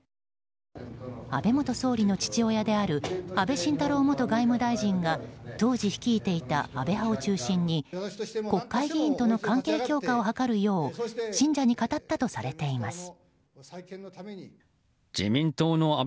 安倍元総理の父親である安倍晋太郎元外務大臣が当時率いていた安倍派を中心に国会議員との関係強化を図るよう信者に語ったとされています。